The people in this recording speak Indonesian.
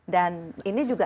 dan ini juga